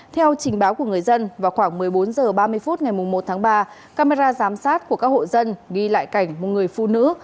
theo trình báo của người dân vào khoảng một mươi bốn h ba mươi phút ngày một tháng ba camera giám sát của các hộ dân ghi lại cảnh một người phụ nữ